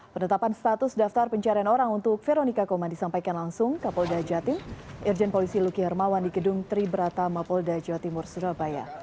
penetapan status daftar pencarian orang untuk veronica koman disampaikan langsung kapolda jati irjen polisi luki hermawan di gedung triberata mapolda jawa timur surabaya